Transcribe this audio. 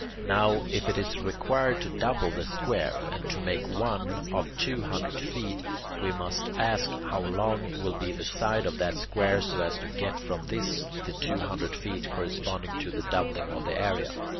Now if it is required to double the square, and to make one of two hundred feet, we must ask how long will be the side of that square so as to get from this the two hundred feet corresponding to the doubling of the area.